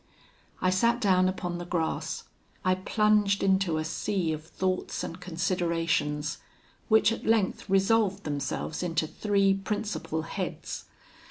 "I sat down upon the grass. I plunged into a sea of thoughts and considerations, which at length resolved themselves into three principal heads.